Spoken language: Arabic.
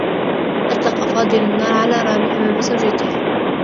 أطلق فاضل النّار على رامي أمام زوجته.